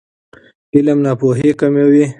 علم ناپوهي کموي.